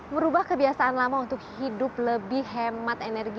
merubah kebiasaan lama untuk hidup lebih hemat energi